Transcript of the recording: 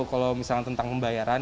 kalau misalnya tentang pembayaran